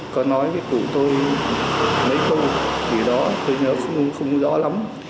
có nói với cụ tôi mấy câu vì đó tôi nhớ không rõ lắm